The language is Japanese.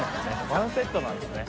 ワンセットなんですね。